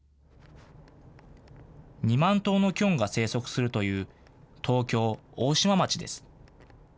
２万頭のキョンが生息するという東京・大島町です。